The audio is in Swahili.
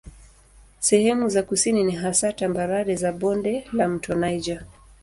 Sehemu za kusini ni hasa tambarare za bonde la mto Niger.